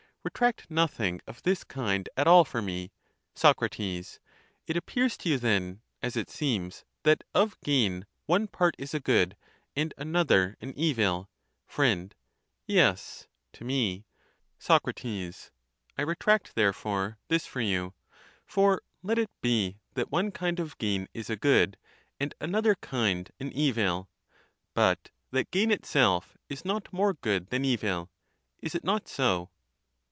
Retract nothing of this kind at all for me. Soc. It appears to you then, as it seems, that of gain one part is a good, and another an evil. Fr. Yes, to me. Soc. I retract therefore this for you. For let it be, that one kind of gain is a good, and another kind an evil; but that gain itself is not more good than evil. Is it not so?